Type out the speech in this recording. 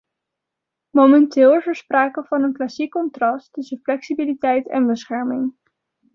Momenteel is er sprake van een klassiek contrast tussen flexibiliteit en bescherming.